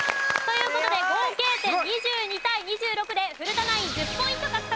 という事で合計点２２対２６で古田ナイン１０ポイント獲得です。